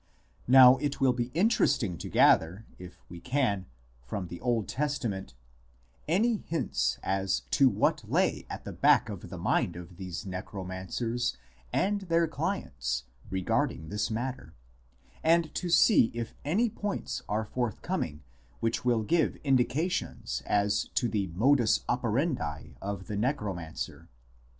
Now it will be interesting to gather, if we can, from the Old Testament, any hints as to what lay at the back of the mind of these necromancers and their clients regarding this matter, and to see if any points are forthcoming which will give indications as to the modus operandi of the necromancer.